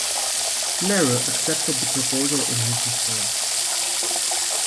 Nehru accepted the proposal in his response.